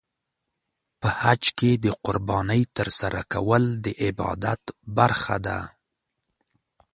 په حج کې د قربانۍ ترسره کول د عبادت برخه ده.